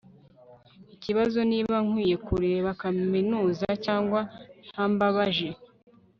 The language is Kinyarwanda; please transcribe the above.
ikibazo niba nkwiye kureka kaminuza cyangwa ntambabaje